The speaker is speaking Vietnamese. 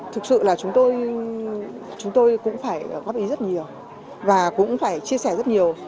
thực sự là chúng tôi cũng phải góp ý rất nhiều và cũng phải chia sẻ rất nhiều